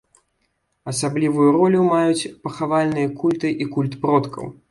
Асаблівую ролю маюць пахавальныя культы і культ продкаў.